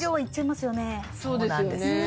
そうなんです